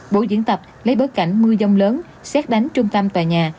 buổi diễn tập lấy bớt cảnh mưa giông lớn xét đánh trung tâm tòa nhà